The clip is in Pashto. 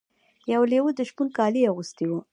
یو لیوه د شپون کالي اغوستي وو.